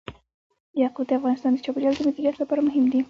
یاقوت د افغانستان د چاپیریال د مدیریت لپاره مهم دي.